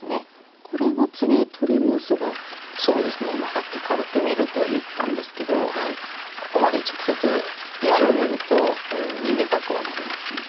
さっき軽く見ると言ったんですけどここまで直接やられると逃げたくはなります。